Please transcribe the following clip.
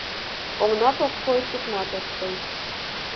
Оҥнат ок кой, тупнат ок кой